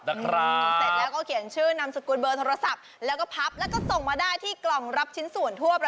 วันนี้เราจะแจกร้านทั้งที่๒แล้วจ้า